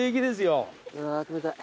うわー冷たい。